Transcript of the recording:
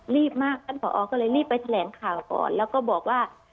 รีบมากท่านผอก็เลยรีบไปแถลงข่าวก่อนแล้วก็บอกว่า